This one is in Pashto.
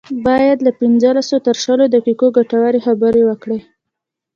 بايد له پنځلسو تر شلو دقيقو ګټورې خبرې وکړي.